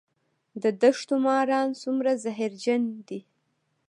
د دښتو ماران څومره زهرجن دي؟